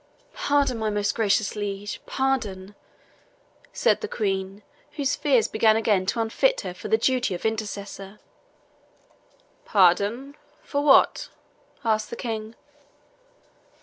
"Pardon, my most gracious liege pardon!" said the Queen, whose fears began again to unfit her for the duty of intercessor. "Pardon for what?" asked the King.